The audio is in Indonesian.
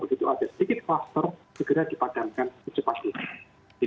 semua kita harus sabar